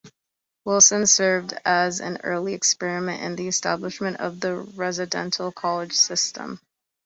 Wilson served as an early experiment in the establishment of the residential college system.